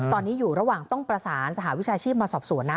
ตอนนี้อยู่ระหว่างต้องประสานสหวิชาชีพมาสอบสวนนะ